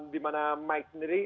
dimana mike sendiri